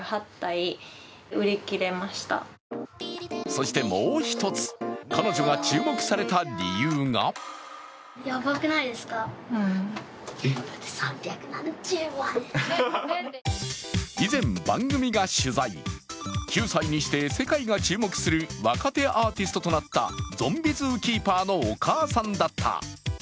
そしてもう一つ、彼女が注目された理由が以前、番組が取材、９歳にして世界が注目する若手アーティストとなったゾンビ・ズー・キーパーのお母さんだった。